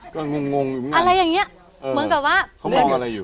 ก็งงงอยู่ไหมอะไรอย่างเงี้ยเหมือนกับว่าเขางงอะไรอยู่